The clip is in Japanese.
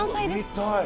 見たい。